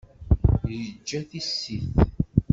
Yeǧǧa tissit.